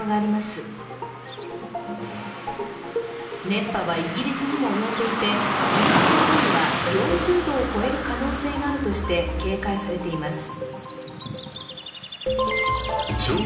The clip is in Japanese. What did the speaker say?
熱波はイギリスにも及んでいて、１８日には４０度を超える可能性があるとして警戒されています。